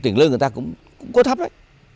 tỉnh lương người ta cũng có thấp đấy